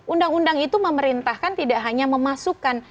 undang undang itu memerintahkan tidak hanya memasukkan